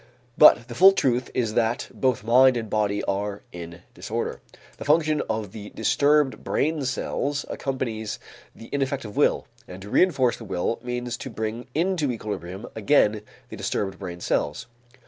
But the full truth is that both mind and body are in disorder; the function of the disturbed brain cells accompanies the ineffective will, and to reënforce the will means to bring into equilibrium again the disturbed brain cells.